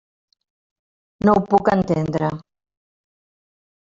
No ho puc entendre.